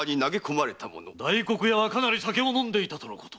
大黒屋はかなり酒を飲んでいたとのこと。